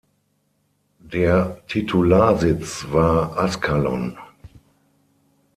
Der Titularsitz war Ascalon.